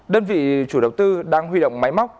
đơn vị chủ đầu tư đang huy động máy móc